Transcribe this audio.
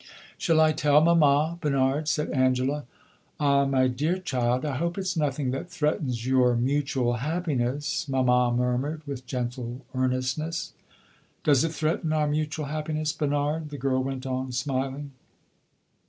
"Shall I tell mamma, Bernard?" said Angela. "Ah, my dear child, I hope it 's nothing that threatens your mutual happiness," mamma murmured, with gentle earnestness. "Does it threaten our mutual happiness, Bernard?" the girl went on, smiling.